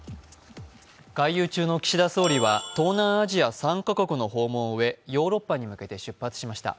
外遊中の岸田総理は東南アジア３カ国の訪問を終えヨーロッパに向けて出発しました。